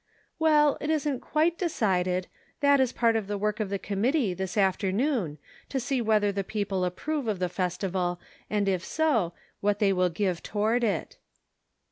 " Well, it isn't quite decided ; that is part of the work of the committee, this afternoon, to see whether the people approve of the festival, and, if so, what they will give to ward it."